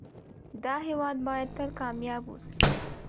دا هيواد بايد تل کامیاب اوسی